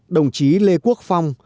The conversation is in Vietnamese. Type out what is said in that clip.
đồng chí lê quốc phong